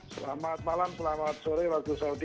selamat malam selamat sore pak agus saudi